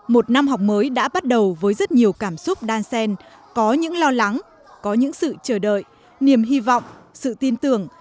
một năm học mới đã bắt đầu với rất nhiều cảm xúc đan sen có những lo lắng có những sự chờ đợi niềm hy vọng sự tin tưởng